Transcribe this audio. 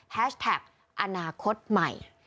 แท็กอนาคตใหม่